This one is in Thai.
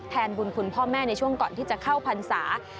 ทดแทนบุญคุณพ่อแม่ในช่วงก่อนที่จะเข้าพันธุ์ศาสตร์